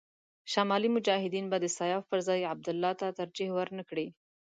شمالي مجاهدین به د سیاف پر ځای عبدالله ته ترجېح ور نه کړي.